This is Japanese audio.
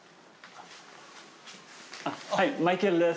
はいマイケルです。